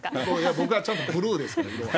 僕はちゃんとブルーですから、色は。